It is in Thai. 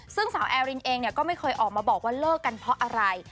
ซึ่งสาวแอรินเองก็ไม่เคยออกมาบอกว่าเลิกกันเพราะอะไร